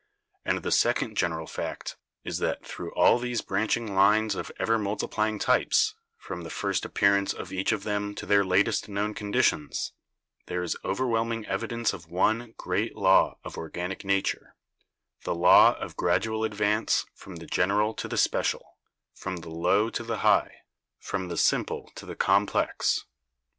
And the second general fact is that through all these branching lines of ever multiplying types, from the first appearance of each of them to their latest known conditions, there is overwhelming evidence of one, great law of organic nature — the law of gradual advance from the general to the special, from the low to the high, from the simple to the complex.